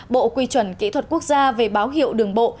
bộ quy chuẩn kỹ thuật quốc gia về báo hiệu đường bộ